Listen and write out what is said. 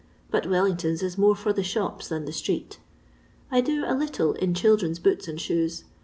but Wellingtons is more for the shops than the street. I do a little in children's boots and shoes.